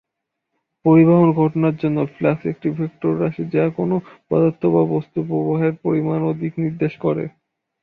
পরিবহন ঘটনার জন্য, ফ্লাক্স একটি ভেক্টর রাশি, যা কোনও পদার্থ বা বস্তুর প্রবাহের পরিমাণ এবং দিক নির্দেশ করে।